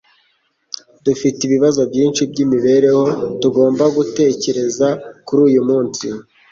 Dufite ibibazo byinshi byimibereho tugomba gutekereza kuri uyumunsi.